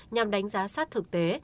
nhằm đánh giá sát thực tế